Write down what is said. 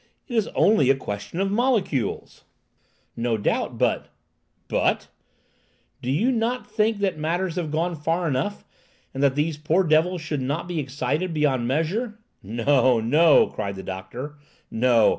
It is only a question of molecules." "No doubt; but—" "But—" "Do you not think that matters have gone far enough, and that these poor devils should not be excited beyond measure?" "No, no!" cried the doctor; "no!